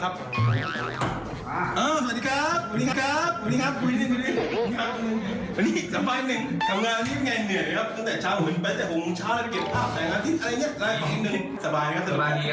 สบายดีครับสบายดี